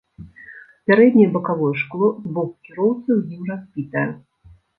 Пярэдняе бакавое шкло з боку кіроўцы ў ім разбітае.